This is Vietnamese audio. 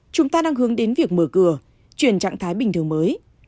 chúng ta đang hướng đến việc mở cửa chuyển trạng thái bình thường mới